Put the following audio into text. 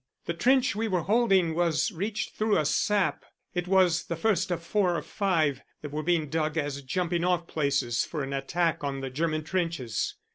The trench we were holding was reached through a sap: it was the first of four or five that were being dug as jumping off places for an attack on the German trenches.